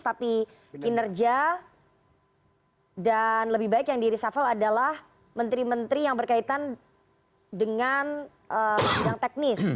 tapi kinerja dan lebih baik yang di reshuffle adalah menteri menteri yang berkaitan dengan bidang teknis